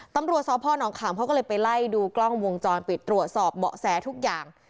ตำรวจสพนขามเขาก็เลยไปไล่ดูกล้องวงจรปิดตรวจสอบเบาะแสทุกอย่าง